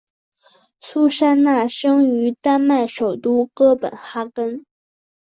苏珊娜生于丹麦首都哥本哈根。